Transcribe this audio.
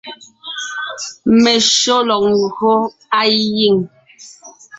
Meshÿó lɔg ńgÿo á giŋ.